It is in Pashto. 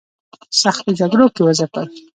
سختو جګړو کې وځپل.